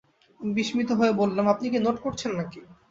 আমি বিস্মিত হয়ে বললাম, আপনি কি নোট করছেন নাকি!